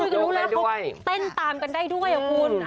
คุยกันดูนะเต้นตามกันได้ด้วยหรอคุณ